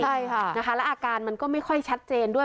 ใช่ค่ะนะคะแล้วอาการมันก็ไม่ค่อยชัดเจนด้วย